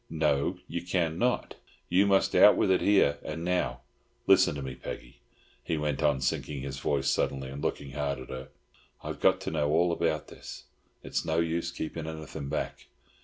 "No, you can not. You must out with it here and now. Listen to me, Peggy," he went on, sinking his voice suddenly and looking hard at her. "I've got to know all about this. It's no use keeping anything back.